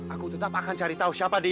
aku tetap akan cari tahu siapa deh